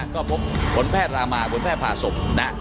ก็พบผลแพทย์ลามา๒ถัดฝาคสม